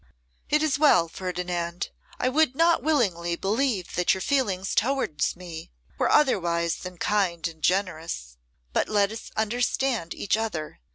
'It is well, Ferdinand. I would not willingly believe that your feelings towards me were otherwise than kind and generous. But let us understand each other.